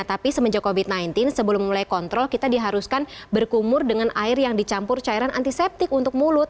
tapi semenjak covid sembilan belas sebelum mulai kontrol kita diharuskan berkumur dengan air yang dicampur cairan antiseptik untuk mulut